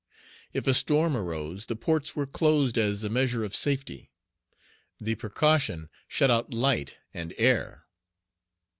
If a storm arose, the ports were closed as a measure of safety. The precaution shut out light and air.